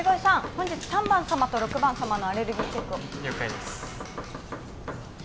本日３番様と６番様のアレルギーチェックを了解です